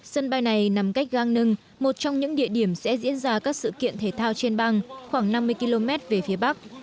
sân bay này nằm cách gang nưng một trong những địa điểm sẽ diễn ra các sự kiện thể thao trên băng khoảng năm mươi km về phía bắc